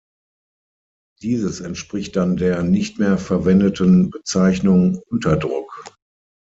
Dieses entspricht dann der nicht mehr verwendeten Bezeichnung Unterdruck.